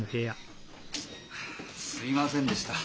すみませんでした。